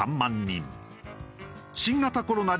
新型コロナ